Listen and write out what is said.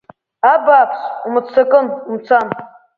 Абааԥс, умыццакын, умцан…